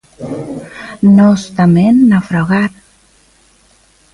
Nós tamén naufragar.